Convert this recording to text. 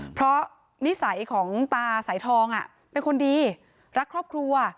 เพราะนิสัยของตาสายทองเป็นคนดีรักครอบครัว